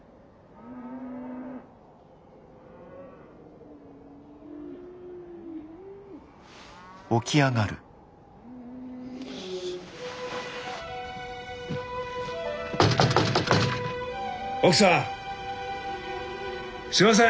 すいません！